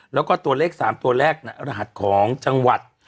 แล้วก็ตัวเลข๓ตัวแรกรหัสของจังหวัด